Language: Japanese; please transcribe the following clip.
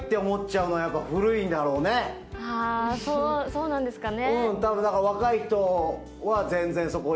あそうなんですかね。